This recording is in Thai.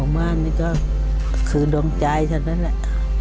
บ้านนี้ก็คือดวงใจฉันเลย